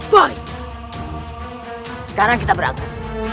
sekarang kita berangkat